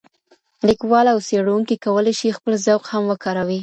لیکوال او څېړونکي کولی شي خپل ذوق هم وکاروي.